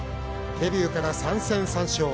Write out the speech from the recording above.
デビューから３戦３勝。